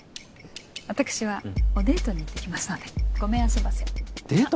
私はおデートに行ってきますのでごめんあそばせデート？